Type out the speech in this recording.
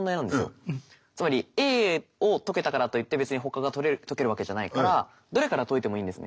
つまりＡを解けたからといって別にほかが解けるわけじゃないからどれから解いてもいいんですね。